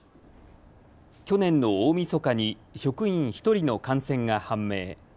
去年の大みそかに職員１人の感染が判明。